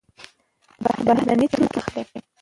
بهرني توکي مه اخلئ.